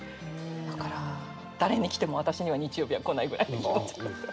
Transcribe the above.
だから誰に来ても私には日曜日は来ないぐらいの気持ち。